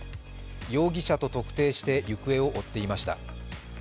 容疑者と特定して行方を追っていました。